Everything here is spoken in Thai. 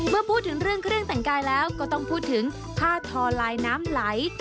เมื่อพูดถึงเรื่องเครื่องแต่งกายแล้วก็ต้องพูดถึงผ้าทอลายน้ำไหล